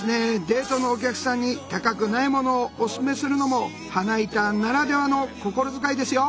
デートのお客さんに高くないものをおすすめするのも花板ならではの心遣いですよ。